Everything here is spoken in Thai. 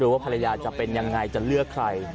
ว่าจะเป็นยังไงจะเลือกใคร